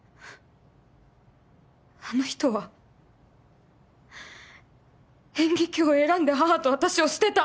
あの人は演劇を選んで母と私を捨てた。